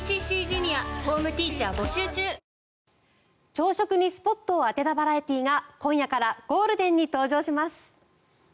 朝食にスポットを当てたバラエティーが今夜からゴールデンに登場します。